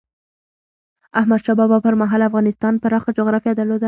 احمد شاه بابا پر مهال افغانستان پراخه جغرافیه درلوده.